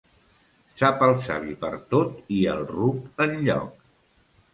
Sap el savi per tot i el ruc enlloc.